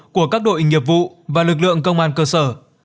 của các đội nghiệp vụ và lực lượng công an cơ sở